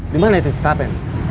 dimana itu citapen